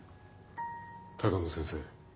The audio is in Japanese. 鷹野先生